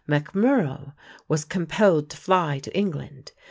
MacMurrough was compelled to fly to England.